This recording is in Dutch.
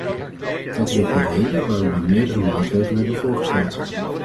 Dat is ook de reden waarom we meerdere maatregelen hebben voorgesteld.